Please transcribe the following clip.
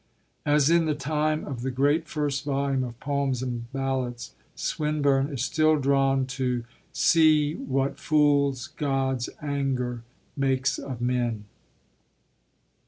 As in the time of the great first volume of Poems and Ballads, Swinburne is still drawn to see What fools God's anger makes of men.